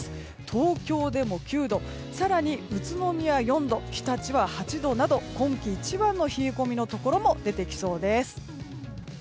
東京でも９度更に宇都宮は４度常陸は８度など今季一番の冷え込みのところも出てきそうです。